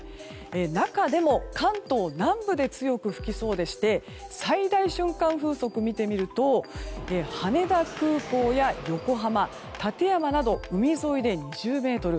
中でも関東南部で強く吹きそうでして最大瞬間風速、見てみると羽田空港や横浜館山など海沿いで２０メートル。